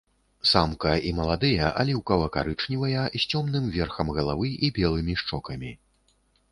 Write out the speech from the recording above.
Самка і маладыя аліўкава-карычневыя з цёмным верхам галавы і белымі шчокамі.